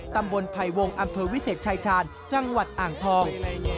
ตำบลไผ่วงอำเภอวิเศษชายชาญจังหวัดอ่างทอง